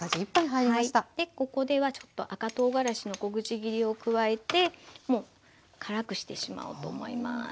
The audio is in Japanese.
でここではちょっと赤とうがらしの小口切りを加えてもう辛くしてしまおうと思います。